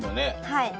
はい。